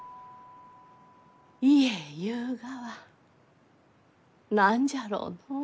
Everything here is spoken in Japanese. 家ゆうがは何じゃろうのう？